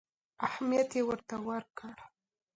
اهمیت یې ورته ورکړ.